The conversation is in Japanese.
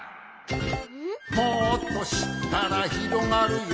「もっとしったらひろがるよ」